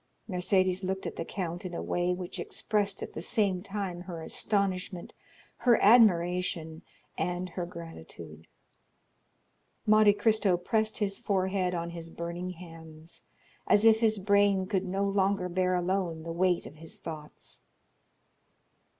Mercédès looked at the count in a way which expressed at the same time her astonishment, her admiration, and her gratitude. Monte Cristo pressed his forehead on his burning hands, as if his brain could no longer bear alone the weight of its thoughts.